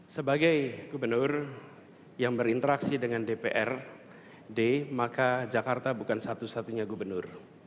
sebagai gubernur yang berinteraksi dengan dprd maka jakarta bukan satu satunya gubernur